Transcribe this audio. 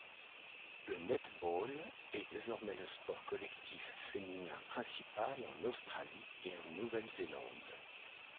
Le netball est désormais le sport collectif féminin principal en Australie et en Nouvelle-Zélande.